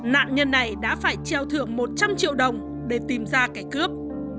nạn nhân này đã phải treo thưởng một trăm linh triệu đồng để tìm ra kẻ cướp